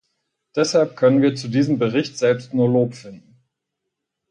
Deshalb können wir zu diesem Bericht selbst nur Lob finden.